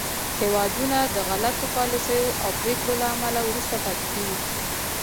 هېوادونه د غلطو پالیسیو او پرېکړو له امله وروسته پاتې کېږي